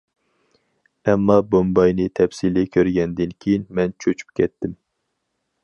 ئەمما بومباينى تەپسىلىي كۆرگەندىن كېيىن، مەن چۆچۈپ كەتتىم.